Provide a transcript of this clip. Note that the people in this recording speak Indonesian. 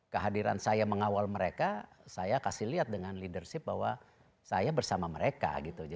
kehadiran saya mengawal mereka saya kasih lihat dengan leadership bahwa saya bersama mereka